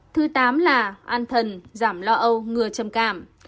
thứ tám là an thần giảm lo âu ngừa trầm cảm